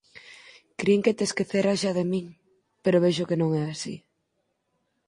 Crin que te esqueceras xa de min, pero vexo que non é así.